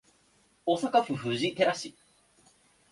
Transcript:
大阪府藤井寺市